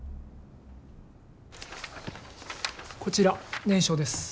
こちら念書です。